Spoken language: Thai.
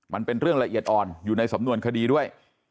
มันเป็นเรื่องละเอียดอ่อนอยู่ในสำนวนคดีด้วย